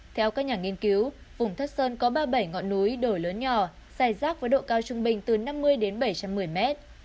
theo các nhà nghiên cứu vùng thất sơn có ba mươi bảy ngọn núi đổi lớn nhỏ dài rác với độ cao trung bình từ năm mươi đến bảy trăm một mươi mét